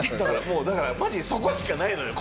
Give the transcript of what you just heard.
もうだからマジそこしかないのよ